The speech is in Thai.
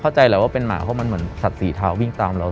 เข้าใจแหละว่าเป็นหมาเพราะมันเหมือนสัตว์สีเทาวิ่งตามเรา